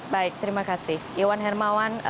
baik terima kasih